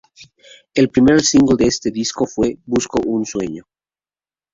El primer single de este disco fue "Busco un sueño".